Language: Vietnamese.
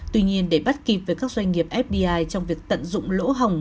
tuy nhiên để bắt kịp với các doanh nghiệp fdi trong việc tận dụng lỗ hồng